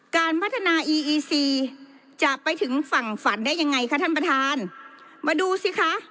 การพัฒนาอีอีซีจะไปถึงฝั่งฝันได้ยังไงคะท่านประธานมาดูสิคะ